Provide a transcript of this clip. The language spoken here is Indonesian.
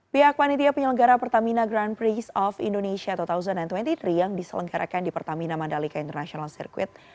pihak panitia penyelenggara pertamina grand prix of indonesia dua ribu dua puluh tiga yang diselenggarakan di pertamina mandalika international circuit